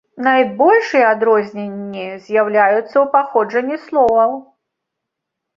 Найбольшыя адрозненні з'яўляюцца ў паходжанні словаў.